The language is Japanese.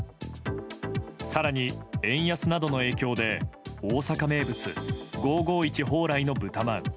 更に、円安などの影響で大阪名物５５１ＨＯＲＡＩの豚まん。